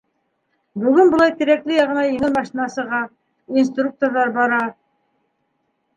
Бөгөн, былай, Тирәкле яғына еңел машина сыға, инструкторҙар бара.